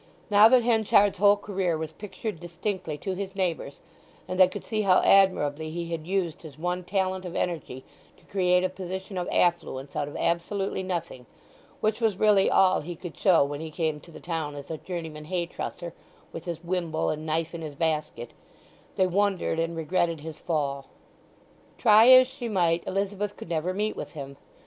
Now that Henchard's whole career was pictured distinctly to his neighbours, and they could see how admirably he had used his one talent of energy to create a position of affluence out of absolutely nothing—which was really all he could show when he came to the town as a journeyman hay trusser, with his wimble and knife in his basket—they wondered and regretted his fall. Try as she might, Elizabeth could never meet with him.